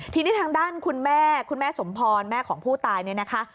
ทีนี้ทางด้านคุณแม่คุณแม่สมพรแม่ของผู้ตายเนี่ยนะคะ